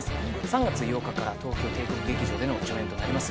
３月８日から東京・帝国劇場での上演となります